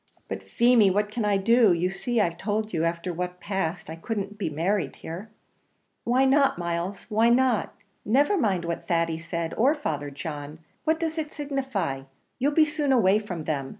"But, Feemy, what can I do? you see I've told you after what passed I couldn't be married here." "Why not, Miles? why not? never mind what Thady said or Father John. What does it signify? you'll be soon away from them.